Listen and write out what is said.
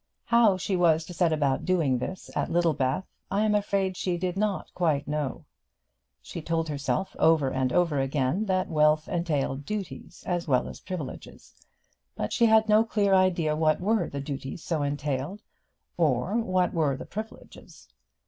How she was to set about doing this at Littlebath, I am afraid she did not quite know. She told herself over and over again that wealth entailed duties as well as privileges; but she had no clear idea what were the duties so entailed, or what were the privileges.